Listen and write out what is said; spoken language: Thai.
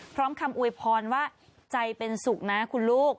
พร้อมคำอวยพรว่าใจเป็นสุขนะคุณลูก